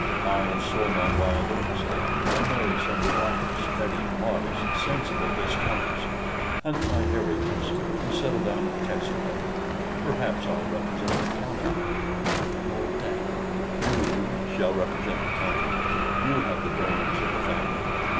I'll sow my wild oats then, and marry some quiet, steady, modest, sensible viscountess; hunt my harriers; and settle down at Castlewood. Perhaps I'll represent the county no, damme, YOU shall represent the county. You have the brains of the family.